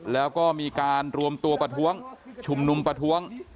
แล้วก็มีการรวมตัวประท้วงชุมนุมประท้วง